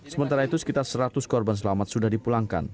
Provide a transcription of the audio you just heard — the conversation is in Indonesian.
sementara itu sekitar seratus korban selamat sudah dipulangkan